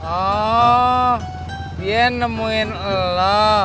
oh dia nemuin lu